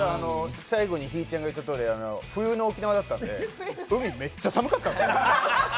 最後にひぃちゃんが言ったように、冬の沖縄だったんで海、めっちゃ寒かったんです。